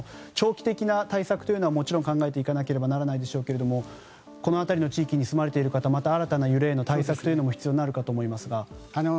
長期的な対策はもちろん考えていかなければならないでしょうがこの辺りの地域に住まわれている方また新たな揺れへの対策も必要になると思いますが。